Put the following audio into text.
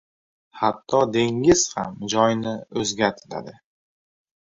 • Hatto dengiz ham joyini o‘zgartiradi.